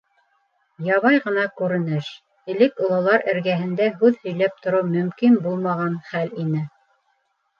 Ябай ғына күренеш, элек ололар эргәһендә һүҙ һөйләп тороу мөмкин булмаған хәл ине.